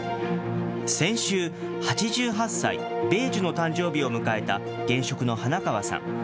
先週、８８歳、米寿の誕生日を迎えた現職の花川さん。